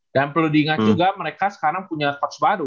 dan perlu diingat juga mereka sekarang punya coach baru